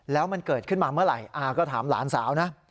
แล้วมันเกิดขึ้นมาเมื่อไหร่อาก็ถามหลานสาวนะ